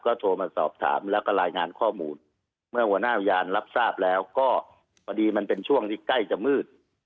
หลังก็โทรมาสอบถามและลายงานข้อมูลเมื่อหัวหน้าอุญาตรับทราบแล้วก็มันเป็นช่วงที่ใกล้จะมืด